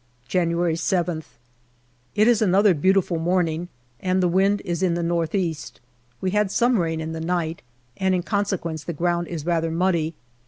January 7th. It is another beautiful morning, and the wind is in the north east. We had some rain in the night, and in conse quence the ground is rather muddy.